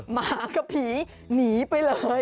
หมากับผีหนีไปเลย